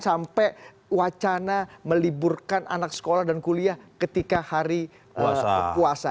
sampai wacana meliburkan anak sekolah dan kuliah ketika hari puasa